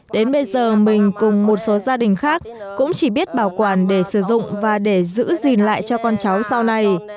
đến bây giờ mình cùng một số gia đình khác cũng chỉ biết bảo quản để sử dụng và để giữ gìn lại cho con cháu sau này